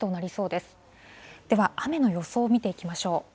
では、雨の予想を見ていきましょう。